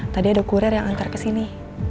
tadi ada kurir yang antar ke sini